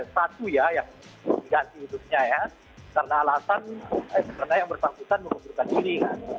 satu ya yang diganti itu karena alasan yang bertanggung jawab menurut saya ini